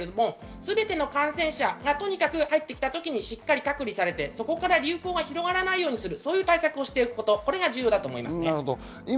全ての感染者が入ってきたときにしっかり隔離され、そこから流行が広がらないようにする、そういう対策をしていることが重要だと思います。